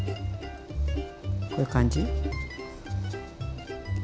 こういう感じ？